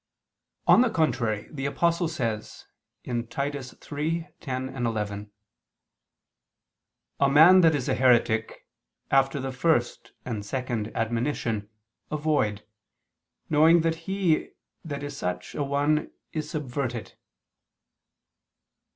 On the contrary, The Apostle says (Titus 3:10, 11): "A man that is a heretic, after the first and second admonition, avoid: knowing that he, that is such an one, is subverted."